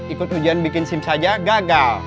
ikut ujian bikin sim saja gagal